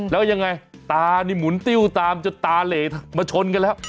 แล้วยังไงตานี่หมุนติ้วตามจนตาเหลมาชนกันแล้ว